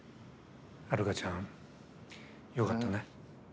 ハルカちゃんよかったね。